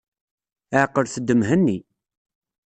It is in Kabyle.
Ɛqlet-d Mhenni.